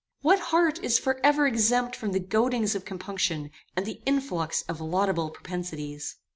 What heart is forever exempt from the goadings of compunction and the influx of laudable propensities?